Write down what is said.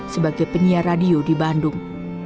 sebagai penyiar radio di bandung